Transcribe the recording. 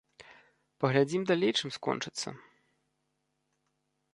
Паглядзім далей, чым скончыцца.